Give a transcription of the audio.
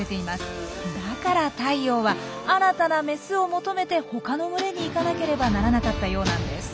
だからタイヨウは新たなメスを求めて他の群れに行かなければならなかったようなんです。